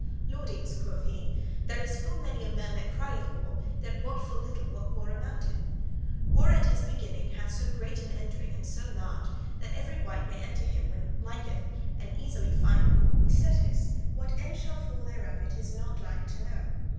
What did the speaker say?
"Lordings," quoth he, "there is full many a man that crieth, 'War! war!' that wot full little what war amounteth. War at his beginning hath so great an entering and so large, that every wight may enter when him liketh, and lightly [easily] find war: but certes what end shall fall thereof it is not light to know.